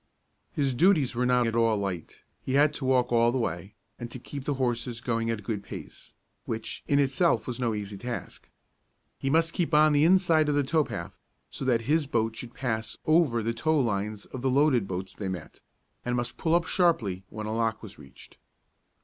His duties were not at all light. He had to walk all the way, and to keep the horses going at a good pace, which in itself was no easy task. He must keep on the inside of the tow path, so that his boat should pass over the tow lines of the loaded boats they met, and must pull up sharply when a lock was reached.